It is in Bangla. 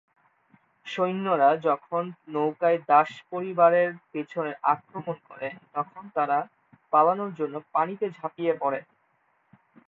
সৈন্যরা যখন নৌকায় দাস পরিবারের পিছনে আক্রমণ করে, তখন তারা পালানোর জন্য পানিতে ঝাঁপিয়ে পড়ে।